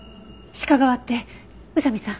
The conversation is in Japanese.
鹿革って宇佐見さん。